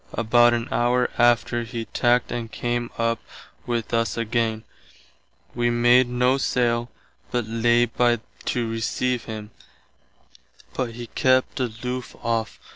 About an hour after he tackt and came up with us againe. Wee made noe saile, but lay by to receive him, but he kept aloof off.